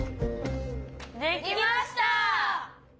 できました！